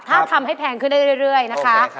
ถ้าทำให้แพงขึ้นได้เรื่อยนะคะ